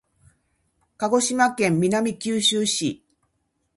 鹿児島県南九州市